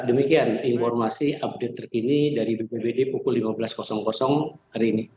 demikian informasi update terkini dari bpbd pukul lima belas hari ini